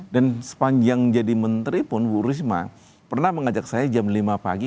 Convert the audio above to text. dan sepanjang jadi menteri pun bu risma pernah mengajak saya jam lima pagi